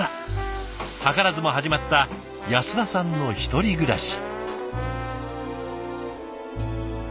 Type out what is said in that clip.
図らずも始まった安田さんの１人暮らし。